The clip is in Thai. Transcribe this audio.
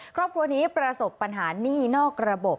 ครอบครัวนี้ประสบปัญหานี่นอกระบบ